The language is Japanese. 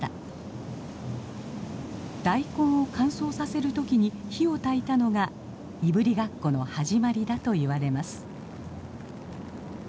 大根を乾燥させる時に火をたいたのがいぶりがっこの始まりだといわれます。